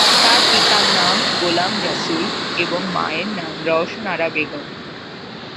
তার পিতার নাম গোলাম রসুল এবং মায়ের নাম রওশন আরা বেগম।